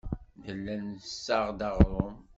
Nella nessaɣ-d aɣrum.